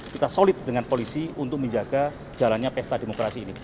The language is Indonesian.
kita solid dengan polisi untuk menjaga jalannya pesta demokrasi ini